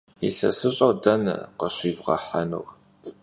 Yilhesış'er dene khışivğehenur?